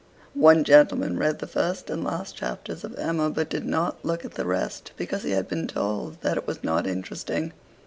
One gentleman read the first and last chapters of 'Emma,' but did not look at the rest because he had been told that it was not interesting.